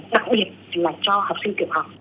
đặc biệt là cho học sinh tiểu học